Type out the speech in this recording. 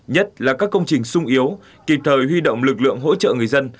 nhất là các công trình sung yếu kịp thời huy động lực lượng hỗ trợ người dân